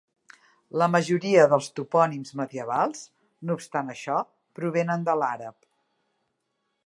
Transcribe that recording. La majoria dels topònims medievals, no obstant això, provenen de l'àrab.